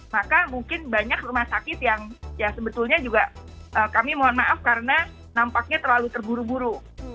maka mungkin banyak rumah sakit yang ya sebetulnya juga kami mohon maaf karena nampaknya terlalu terburu buru